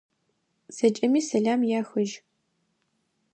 Зэкӏэмэ сэлам яхыжь.